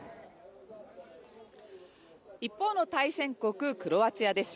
一方の対戦国、クロアチアです。